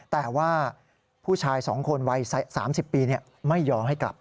แต่ว่าผู้ชาย๒คนวัย๓๐ปีไม่ยอมให้กลับ